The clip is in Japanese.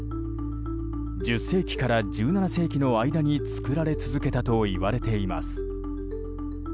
１０世紀から１７世紀の間に作られ続けたといわれています。